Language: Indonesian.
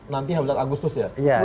nanti habis itu agustus ya